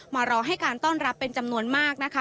รอให้การต้อนรับเป็นจำนวนมากนะคะ